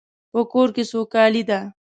په کور کې سوکالی ده